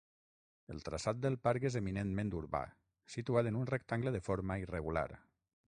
El traçat del parc és eminentment urbà, situat en un rectangle de forma irregular.